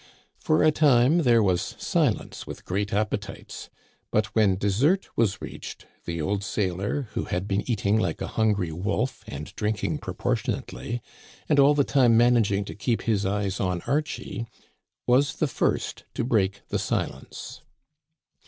For a time there was silence with great appetites ; but when dessert was reached, the old sailor, who had been Digitized by VjOOQIC A SUPPER, 79 eating like a hungry wolf and drinking proportionately, and all the time managing to keep his eyes on Archie, was the first to break the silence.